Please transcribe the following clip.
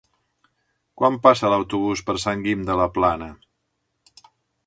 Quan passa l'autobús per Sant Guim de la Plana?